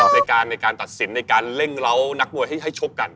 ในการตัดสินในการเร่งเหล้านักมวยให้ชกกัน